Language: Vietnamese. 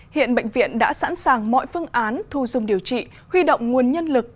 hiện bệnh viện đã sẵn sàng mọi phương án thu dung điều trị huy động nguồn nhân lực